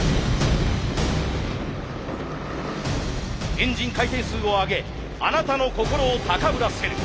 エンジン回転数を上げあなたの心を高ぶらせる。